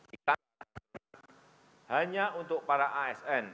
kita ingin mengingatkan hanya untuk para asn